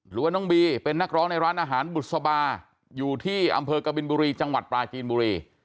หรือว่าน้องบีเป็นนักร้องในร้านอาหารบุษบาอยู่ที่อำเภอกบินบุรีจังหวัดปลาจีนบุรี